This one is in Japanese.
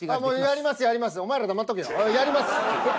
やります。